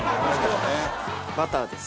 バターです。